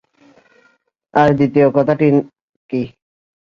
আর দ্বিতীয় কথাটি কি?